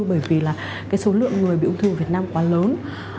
bởi vì số lượng người bị ung thư ở việt nam quá lớn